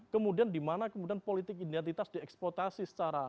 kemudian dimana kemudian politik identitas dieksploitasi secara